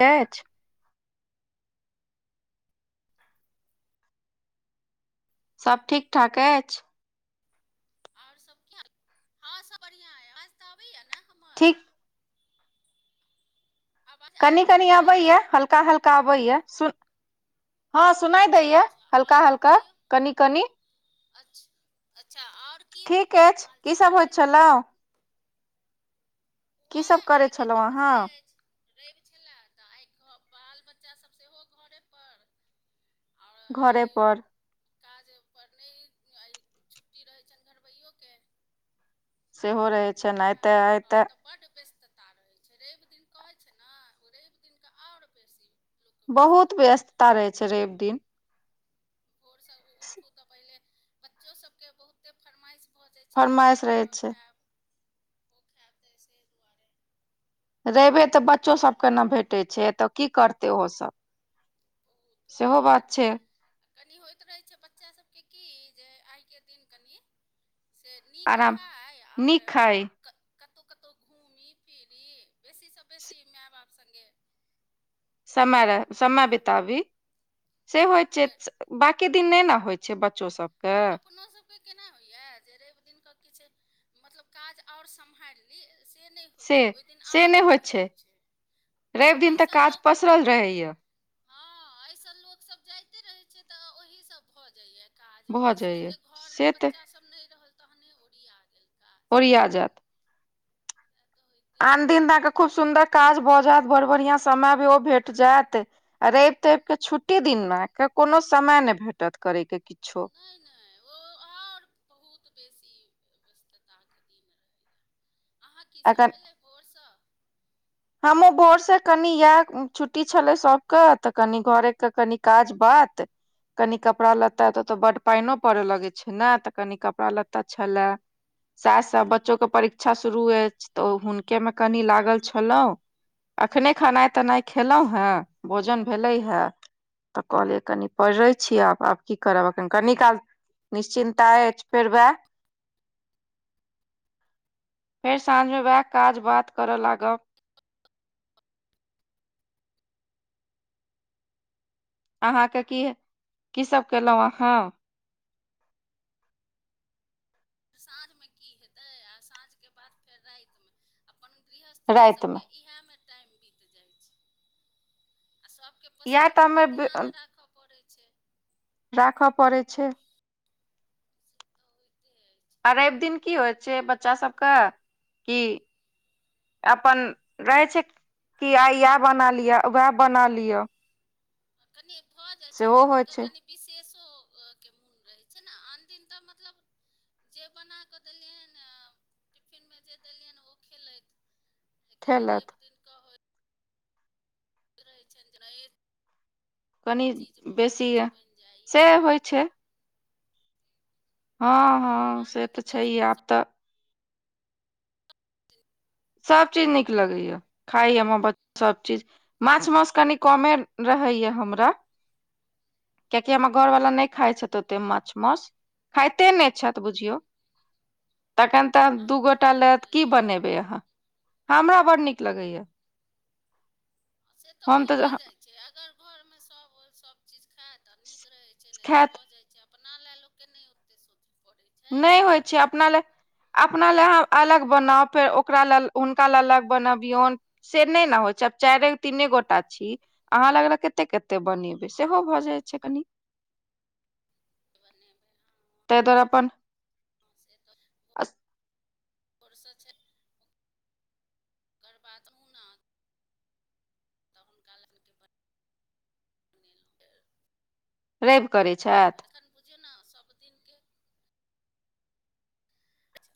[unintelligible] [unintelligible] सभ ठीक ठाक अछि। आऔर सब कीया हँ सब बढ़ियां य अबाज तऽ अबैया ने हमर। ठीक आवाज कनि आबि कनि रहल अछि अबैए हल्का हल्का अबैए सुन हँ सुनाई दैया हल्का हल्का कनि कनि। अचछ अच्छा आओर। की ठीक अछि हाल की चाल सब होइत अछि छलौ? की वाह सब करै आइ के तऽ छलहुँ बुझले अहाँ अछि। रवि छलेहा तऽ आइ क बाल बच्चासभ सेहो घरेपर। आओर घरे आइ पोर। काज परर नहि आइ छुट्टी रहै छनि घरबैयो के। सेहो रहै छनि ओ आइ ह तऽ आइ हँ तऽ। बड्ड व्यस्तता रहै छै रवि दिन कहै छै न ओ रवि दिनके आओर बेसी। लोकके व्यस्त बहुत रहैए व्यस्तता रहे छै रवि दिन। भोरसँ उठू तऽ पहिले बच्चो सब के बहुते फरमाइश भऽ जाइ चा ई फरमाइश रहै कऽ छै खायब ओ खायब तैसे दुआरे। रेबे तऽ बच्चोसभके न भेटै छै तऽ की करतै ओहोसभ। बहुत सेहो बहुत बात छै। कनि होइत रहै छै बच्चा सबके की जे आइके दिन कनि से नीक आराम खाइ आर नीक खाइ क कतहु कतहु घूमी फिरी बेसी सँ बेसी माय बाप संगे समय रहे समय टाइम बितबी से होइ छै। आओर बाँकी दिन नै न होइ छै बच्चो सभके। ऐना होइ या जे रवि दिन क किछ मतलब काज आओर समाहिइर ली से नहि। होइ से छै ओहि दिन आरो नहि होइ छै एहि रवि दिन तऽ एहिसँ काज लोक पसरल रहैए हँ एहिसँ लोकसभ जाइते रहै छै तऽ ओहिसँ भऽ जाइय। काज भऽ बेसी जाइए जे घरमे से तऽ बच्चासब नै रहल तहने ओरिया गेल काज। ओरिया जायत। तक होइत। आन दिन दऽके खूब सुंदर काज भऽ जेत बड़ बढ़िआं समय भ ओ भेट जेत। आ रवि तवि के छुट्टे दिनमे कोनो समय नै भेटत करयके किछो। नै नै ओ आओर बहुत बेसी व्यस्तता के दिन रहै अहाँ की सभ एखन भेलै भोर सऽ। हमहुँ भोर से कनि यए छुट्टी छलै सबके तऽ कनि घरे के कनि काज बात कनि कपड़ा लत्ता तऽ ओतय बड्ड पइनो पड़य लगै छै ने तऽ कनि कपड़ा लत्ता छलेह। से सब बच्चो के परीक्षा शुरू अछि तऽ हुनके में कनि लागल छ लहु अखने खेनाइ तेनाइ खेलहुं हे भोजन भेलै हे। तऽ कहलिय कनि पडै छी आब आब की करब एखन कनी काल निश्चिन्ता अय फेर ऊए। फेर साँझमे उएह काज बात करय लागब अहाँके की की सभ केलहुँ अहाँ साँझ में की हेते आ साँझ के बाद फेर राति मे अपन गृहस्थनी रातिमे सबके। इहे मे टाइम बीत जाइ छै आ सभके इएह तऽ पसन्दो हमे के ध्यान राखऽ पड़ैत छै राखऽ पड़ै छैय से त होइते अछि। रवि दिन की होइ छैय बच्चा सबके की अपन रहे छै कि आइ इएह बना लिअ वएह बना लिअ कनि भऽ जाइ छै सेहो ओहि होइ दिनक कनि विशेषो के मून रहै छैय न आन दिन तऽ मतलब जे बना कऽ देलियनि टिफिन मे जे देलियनि ओ खेलथि। लेकिन खेलत रवि दिन क होइ - रहइ छइन जेना इ कनि चीज ब [unintelligible] बेसी हुतच बन जाइ से है होइ बन छै जाय हँ हँ से अहाँके तऽ बच्चा छैह सभके आब सभ तऽ हल [unintelligible] सब चीज नीक लगैया खाइ बच सभ चीज माछ मासस कनीक कमे रहैया हमरा कियाकि हमरा घर वाला नहि खाय छैथ ओते माछ मौउस खाइते नहि छ तऽ बुझियौ तखन तऽ दू अहाँके गोटा नीक ल की लगैए बनेबै अहाँ हमरा बड नीक लगैया। से तऽ भइए जाइ छै अगर घरमे सभ सभचीज खात तऽ नीक रहे छैय ने तऽ खायत भए जाय छै अपना ले लोक के न ओते सोच पड़े छैय। नहि होइ छै अपना ले अपना लेए अलग बनाउ फेर ओकरा लेल हुनका लेल अलग बनबियौन से नहि नै होइ छैय आब चारि तीने गोटे छी अहाँ अलग - अलग कतेक -कतेक बनेबै सेहो भऽ जाइत छैय कनि। बनेबै हँ तेंय दुआरे अप्पन हँ से तऽ? र छै ओकर बाद मुना। [unintelligible] तऽ हुनका लनके बनेलहुँ फेर। रैइब करैत छथि। बुझियौ ने सभ दिनके, चा [unintelligible]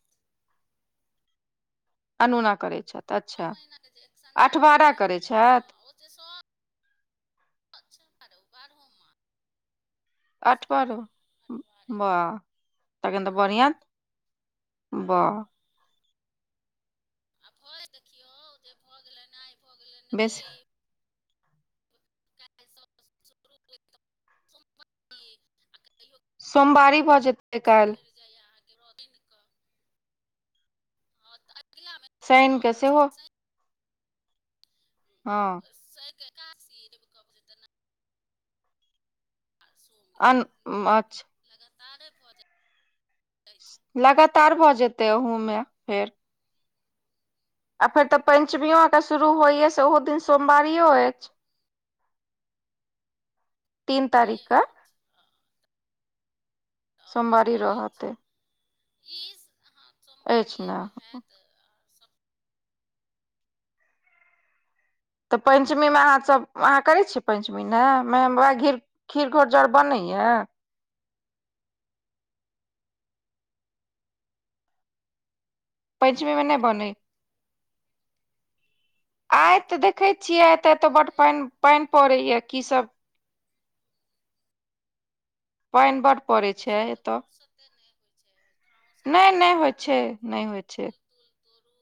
अनूना करै छथि अच्छा महीनाके जे एक संझा अठबारा होइए करै हँ छथि। ओ जे सब् बारहो माल अठबारो अठवारे करै वाह? तखन तऽ बढ़िआँ छथि बाह। आ भय देखियौ जे भऽ गेलनि आइ भऽ गेलनि बेसी रैइब [unintelligible] [unintelligible] [unintelligible] सोमवारी भऽ जेत। सीपा लाया पड़ जाइ अहाँ र अग? शनि [unintelligible] के सेहो [unintelligible] हँ। स क सी कहबत ने। [unintelligible] आ सोम अन छात हिनका सब के अच्छा लगातारे भऽ जाय लगातार भऽ जेते, अहुमे फेर। आखन फेर तऽ पञ्चमियो आके शुरू होइए से ओहो दिन सोमवारियो अछि। तीन इहे तारीख क। अछि हँ सोमवारी पड़तऽ रहत अछि। ई अहाँ अछि ने सोमवारीएमे हैत। तऽ पञ्चमीमे अहाँसभ अहाँ करै छियै पञ्चमी ने, म हमरा बाबा घीर। खीर घोरजाउर बनैय। कतहु पञ्चमीमे नहि बनै आइ तऽ देखे छियै, आ ते एतय बड्ड कतहु पानि पानि पड़ै या, की सब पाइन बड पड़ फुरष लोकके फुर्स ओते नहि होइ छै, ठाँव सराइ नहि नहि होइ करू, छै नहि फूल होइ फूल छै -तूल तोड़ू,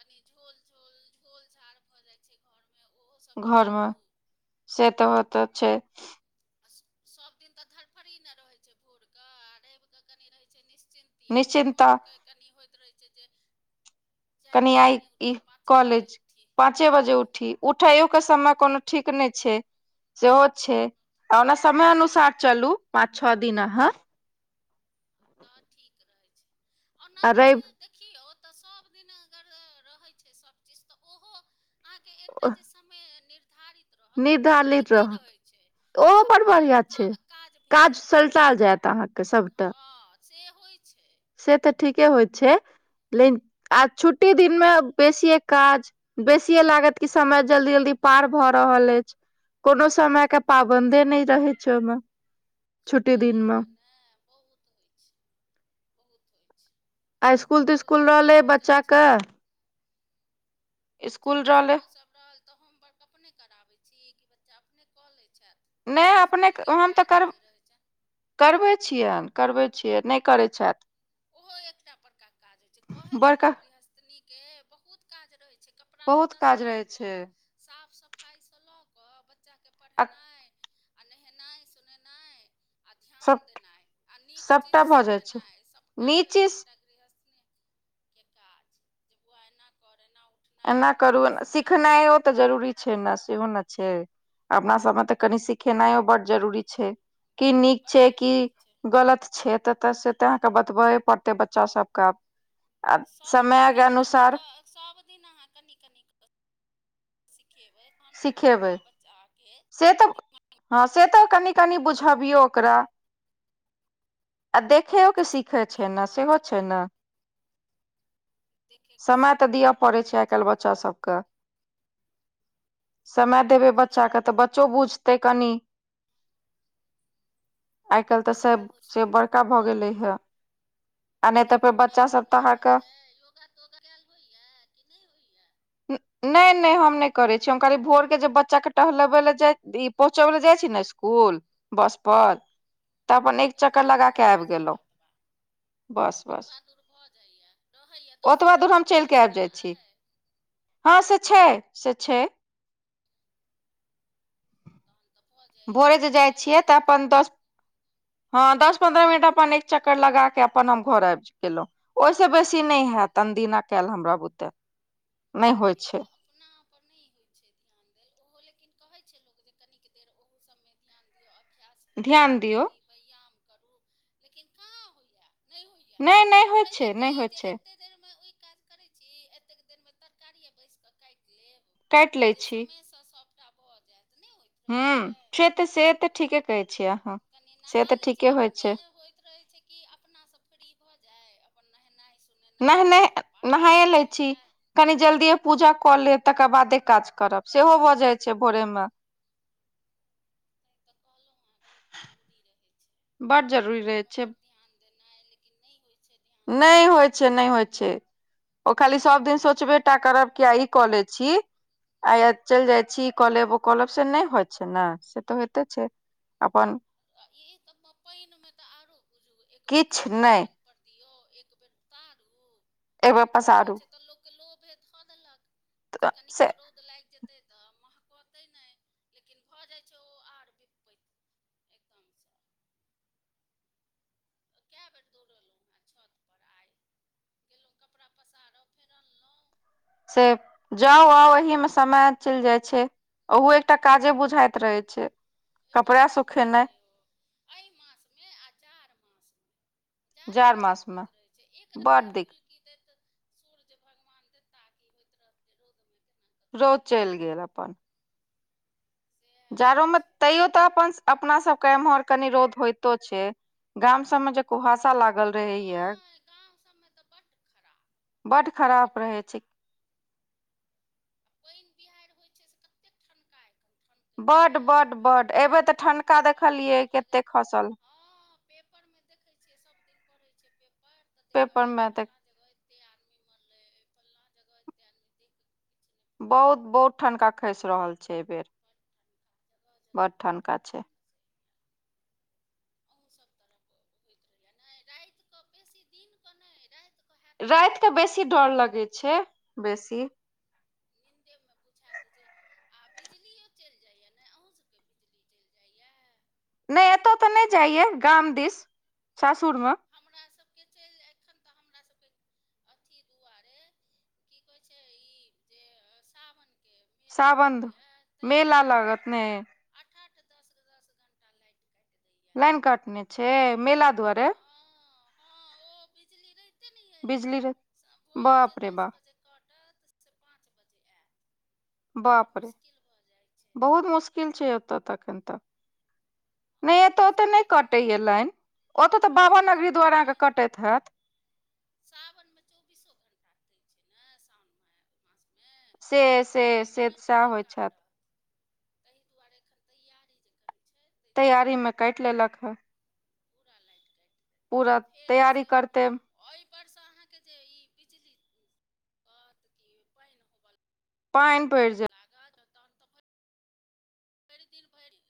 कनी झोल झोल झोल -झार भऽ जाय छै घरमे, ओहोसभ घरमे झाड़ू। से तऽ होतऽ छै। आ सब दिन तऽ धरफड़ी ने रहै छै भोरके, आ रैव कऽ कनि रहै छै निश्चिन्त। अपनहो निश्चिन्ता लोकके कनि होइत रहै छै जे चारि कनि बाजे आइ न ई उठी, पाँचे बजे कॉलेज ऊठी। पाँचे बजे उठी, उठैयो के समय कोनो ठीक नहि छै। सेहो छै, आ ओना समय अनुसार चलू पाँच छओ दिन अहाँ। सेहो ठीक रहै छै, ओना आ रवि देखियौ देखियौ तऽ, सभदिन अगर रहै छै सभचीज तऽ, ओहो अहाँके एकटा जे समय निर्धारित रहत। तऽ ओ धारित ठीके रह, रहै छै जे ओहो बढ अपने बढ़िया आप का छै, भेल काज जायत सलटा जायत अहाँ के सभटा। हँ से होइ छै। से तऽ ठीके होइ छै, लेकिन आ छुट्टी दिन मे बेसीे काज बेसिए लागत कि समय जल्दी -जल्दी पार भऽ रहल अछि। कोनो समय के पाबन्दे नहि रहै छै ओहिमे। छुट्टी दिन मे दिननकऽ ने बहुत हो बहुत होइत आ छै। स्कूल कपड़ो तिस्कुल लत्ता रहले भऽ जाय बच्चा छैय। के बच्चा स्कूल के रहले इसकुल सभ रहल, तऽ होमवर्क अपने कराबै छी कि बच्चा अपने कऽ लैय छथि? नहि अपने इसकुल के हम तऽ काज कर जे रहै छैय। करबै छियै, करबै छियै, नहि करय छथि। ओहो एकटा बड़का काज होय छैय, कहय छैय ने बड़का गृहस्थनीके बहुत काज रहै छैय। कपड़ा बहुत लत्ता स काज लऽ रहै छै कऽ साफ -सफाय सँ लऽ कऽ बच्चा के आ पढ़ेन आ नेहेनाय -सोनेनाय आ ध्यान सब देनाय, आ नीक चीज सबटा भऽ जाइ छै सिखेनाय सबटा नीक रहय छैय चीज एकटा एग्रीहसने के काज, जे बौआ ऐना कर एना ओ एना करू, एना सिखनाय ओ तऽ जरूरी छैय न, सेहो न छैय अपना सबमे तऽ कनि सिखेनायो बड जरूरी छैय की बड़ नीक बड्ड छय कि जरूरी छै गलत छैय त त से तऽ अहाँके बतबये पड़तै बच्चा सबके आब आब समय गे अनुसार सब दिन अहां कनि-कनि क सिखेबै तहन ओ सिखेबै पूरा बच्चा के से तऽ दिमा हँ से तऽ कनि-कनि बुझबियौ ओकरा, आ देख खेओ के सीखै छै छैय न सेहो छैय बात न देखयके समय त सीखै दिय छै पड़ैत छैय, आइ काल्हि बच्चासभ बच्चा सभकऽ समय देबै बहुत बच्चा के तऽ बच्चो बुझतै कनि आइ काल्हि तऽ सब सएह होइ से छै बड़का भऽ गेलै हें कनि घुमनाय-फिरनाय होय अहाँके छैय, योगा-तोगा कैल होइये कि नहि होइये। [unintelligible] नहि-नहि हम नहि करै छी, हम खाली भोर के जे बच्चा के टहलबै लय जाय, ई पहुँचबै लय जाय छी न स्कुल बस पर। तऽ अपन एक चक्कर ताहिमे लगा अपनो के भऽ आबि जाइए गेलहुँ। ओतबा बस-बस ओतबा दूर भऽ जाइये, रहैये दसो दूर हम मिनट के चलि आबि रस्ता जाइ छी अय हँ से छैय, से छैय तहन त भऽ जै भोरे जे जाय छियै तऽ अपन दस हँ दस पन्द्रह मिनट अपन एक चक्कर लगा के, अपन हम घर आबि गेलहुं। ओहि स बेसी नहि हैत, अनदिना कैल हमरा बुते। नहि होइ देखियौ छै अपना पर नहि होय छैय ध् ध्यान दैल, ओहो लेकिन कहै छैय लोक जे कनिक देर ओहुं सबमे ध्यान दिय अ ख्यास करू, ध्यान दियौ डेली बैयाम करू लेकिन कहाँ होइये। नहि होइये, नहि नहि होइत होइ रहैये छै कि नहि होइ जे छै एतेक एते देर मे ई काज करै छी, एतेक देर मे तरकारीेये बैसि के काटि लेब। काटि लै जे छी समय सऽ सबटा भऽ जायत, नहि होय हम्म छैते से तऽ ठीके कहै छियै अहाँ कनि से नहा तऽ लैय छी, ठीके होइ अपने छै होइत रहै छैय कि अपना स फ्री भऽ जाय, अपन नहेनाय सो नहि नेनाय नहि पूजा-पाठ जे नहाए लै छी रहैये कनि जल्दिये पूजा कऽ लेब, तकर बादे काज करब सेहो भऽ जाय छय भोरे मे तैं तऽ कहलहुँ हैं, बहुत जरूरी रहै बड जरूरी छैय रहै अपनो छै पर ध्यान देनाय लेकिन नहि होय नहि होइ छय, नहि होइ छय। ओ खाली सब दिन सोचबे टा करब कि, आइ ई कऽ लय छी आइ चलि जाय छी, ई कऽ लेब-ऊ कऽ लेब से नहि होय छैय न, से तऽ होयते छैय। अपन आ ई त पानिमे तऽ आरो बुझू, एकबेर किछु कपड़ा नहि छत पर दियौ, एक बेर उतारु एक बेर रौउद होइ पसारू छै, तऽ लोकके लोभे धऽ देलक, जे से कनिको रौंद उद लागि जेतै तऽ महकतै नहि, लेकिन भऽ जाइ छै ओ आर विपैत एकदम सऽ। कए बेर दौड़लहुँ हैं छत पर आइ गेलहुँ कपड़ा पसारो फेर अनलहुँ से जाउ आउ ओही मे समय चलि जाइ छैय ओहु एकटा काजे बुझाइत रहै छै कपड़ा बड़का काज सुखेनाइ य ओ एहि मासमे आ जाड़ मासमे जाड़ जाड़ोमे बड मास मे होयत रहै छै एक रत्ती बड दिक हुलकी दैत सूर्य भगवान देता क होइत रहते रौदमे केना कऽ धऽ रौद दियै चलि गेल कपड़ा अपन सएह जाड़ो होइ में छै तैय्यो ओअपन अपना सब के एम्हर कनि रोद होयइतो छै गाम सब में जे कुहासा लागल रहैया नहि गाम सभमे तऽ बड्ड खराब बड खराब बड्ड रहै छै। खराब आ पानि बिहड़ि होइ छैय से कतेक ठनका एखन बड बड बड एहीबेर तऽ ठनका बड्ड देखलियै डर लगै कते खसल। हँ पेपर मे देखेइ छियै सबदिन पढ़ै छी पेपर तऽ देखब पेपर आइ मे तऽ फल्ला जगह अते आदमी मरलै आय फलां जगह अते आदमी देख क बहुत बहुत ठनका खसि रहल छै एहिबेर बड़ ठनका जगह जगह बड़ ठनका छै खसैए अहू सभ तरफ बहुत होइत रहैया नहि रातिक कऽ बेसी दिनके नहि रतिक राइत के बेसी डर लगे छै बेसी नींदे में बुझेत जे आ बिजलियो चलि जाय य न अहूं सब के बिजली बिजली चलि जाइया नहि एतय तऽ नहि जाइया गाम दिस सासुर मे [inaudible] हमरा सबके चलि एखन हमरा सब के अथी दुआरे की कहै छै ई जे सावन के मेला सावन लगैया ताहि मेला दुआरे लागत ने हरदम आठ आठ दस दस घंटा लाइट काइट लाइन काटने छै मेला दुआरे। हँ हँ ओ बिजली रहिते नहि अछि बिजली रे भोर जे बाप रे दस बाप बजे कटत से पाँच बजे आयत बड़ मुश्किल भऽ जाइ छै। खलच [unintelligible] होत त हन तकत। नहि बड़ एतय त मुश्किल नहि आ कटैए लाइन ओतय ताहिमे तऽ बाबा ओहिमे जे नगरी फेर द्वारा आहाँ के पानि कटैत हैत सावनमे चौबीसो घण्टा दै छै ने सउन मे मासमे से ओहिमे से एक्को से मिनट सएह नहि होइत हैत काटत ताहि दुआरे एखन तैयारी जे करै छै दुआरे तैयारी मे लाइट काटि कटने लेलक हँ पूरा लाइट काइट दैत आ पूरा फेर तैयारी से। करते ओय पर से अहाँ के जे ई बिजली आयत की पानि होबो पानि पड़ि ज लागत तहन तऽ भरि दिन भरि